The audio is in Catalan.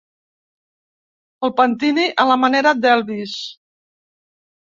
El pentini a la manera d'Elvis.